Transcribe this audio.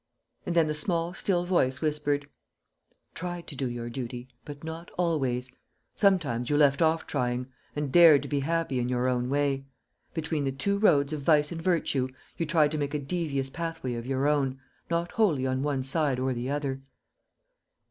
And then the small still voice whispered, "Tried to do your duty, but not always; sometimes you left off trying, and dared to be happy in your own way. Between the two roads of vice and virtue, you tried to make a devious pathway of your own, not wholly on one side or the other."